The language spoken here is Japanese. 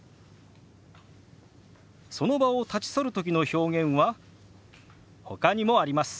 その場を立ち去るときの表現はほかにもあります。